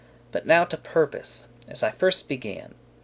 But now to purpose, as I first began.